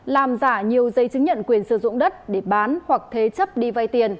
làm giả nhiều dây chứng nhận quyền sử dụng đất để bán hoặc thế chấp đi vay tiền